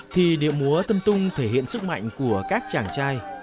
thì điệu múa tâm tung thể hiện sức mạnh của các chàng trai